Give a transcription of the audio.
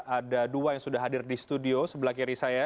ada dua yang sudah hadir di studio sebelah kiri saya